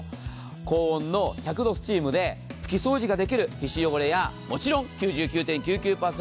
高温の１００度スチームで拭き掃除ができる、皮脂汚れやもちろん９９．９％